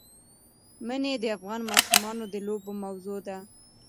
منی د افغان ماشومانو د لوبو موضوع ده.